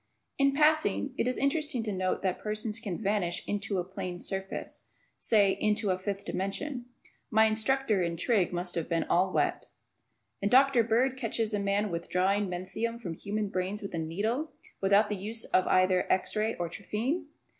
In passing, it is interesting to note that persons can vanish "into" a plane surface; say, "into" a fifth dimension. My instructor in trig. must have been all wet. And Dr. Bird catches a man withdrawing "menthium" from human brains with a "needle," without the use of either x ray or a trephine!